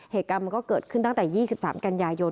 เหตุการณ์มันก็เกิดขึ้นตั้งแต่๒๓กันยายน